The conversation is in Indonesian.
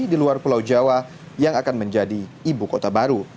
di luar pulau jawa yang akan menjadi ibu kota baru